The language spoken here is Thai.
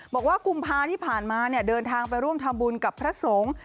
กุมภาที่ผ่านมาเดินทางไปร่วมทำบุญกับพระสงฆ์